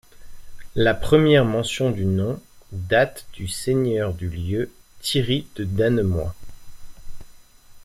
La première mention du nom date du seigneur du lieu Thierry de Dannemois.